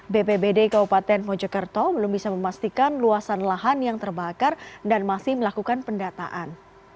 bpbd kabupaten mojokerto belum bisa memastikan luasan lahan yang terbakar dan masih melakukan pendataan